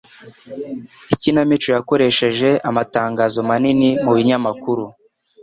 Ikinamico yakoresheje amatangazo manini mu binyamakuru